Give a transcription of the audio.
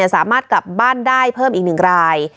สามารถกลับบ้านได้เพิ่มอีก๑ราย